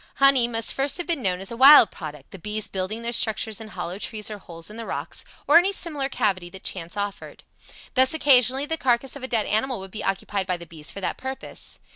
Honey must first have been known as a wild product, the bees building their structures in hollow trees or holes in the rocks, or any similar cavity that chance offered. Thus occasionally the carcass of a dead animal would be occupied by the bees for that purpose.